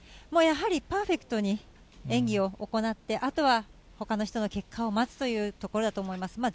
もうやはり、パーフェクトに演技を行って、あとは、ほかの人の結果を待つというところだと思います。